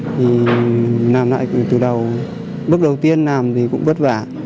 thì làm lại từ đầu bước đầu tiên làm thì cũng vất vả